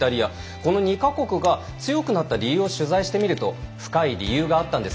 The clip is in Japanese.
この２か国が強くなった理由を取材してみると深い理由があったんです